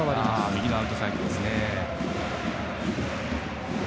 右のアウトサイドですね。